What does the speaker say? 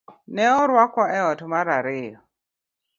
Ne orwakwa e ot mar ariyo